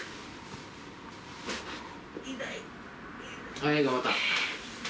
はい、頑張った。